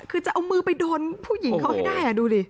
คือจะเอามือไปโดนผู้หญิงเขาให้ได้ดูดิ